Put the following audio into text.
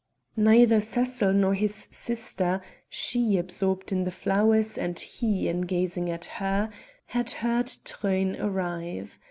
Neither Cecil nor his sister she absorbed in the flowers and he in gazing at her had heard Truyn arrive.